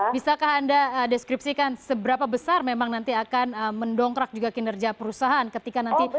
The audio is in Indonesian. bisakah anda deskripsikan seberapa besar memang nanti akan mendongkrak juga kinerja perusahaan ketika nanti